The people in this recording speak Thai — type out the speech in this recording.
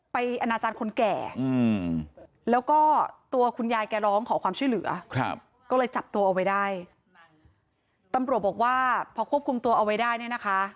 อนาจารย์คนแก่แล้วก็ตัวคุณยายแกร้องขอความช่วยเหลือครับก็เลยจับตัวเอาไว้ได้ตำรวจบอกว่าพอควบคุมตัวเอาไว้ได้เนี่ยนะคะ